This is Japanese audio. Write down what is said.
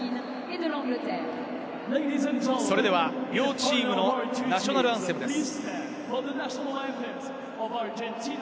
それで両チームのナショナルアンセムです。